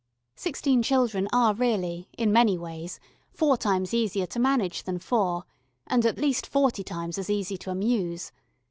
Sixteen children are really, in many ways, four times easier to manage than four and at least forty times as easy to amuse.